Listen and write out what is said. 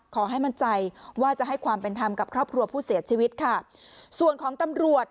ขอให้มั่นใจว่าจะให้ความเป็นธรรมกับครอบครัวผู้เสียชีวิตค่ะส่วนของตำรวจ